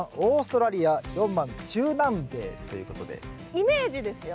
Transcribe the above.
イメージですよ。